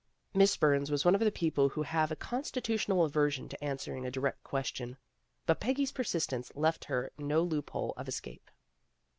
Miss Burns was one of the people who have a constitutional aversion to answering a direct question, but Peggy's persistence left her no loop hole of escape.